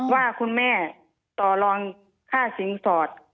ว่าคุณแม่ต่อรองค่าสินสอด